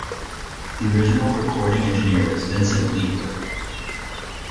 The original recording engineer was Vincent Liebler.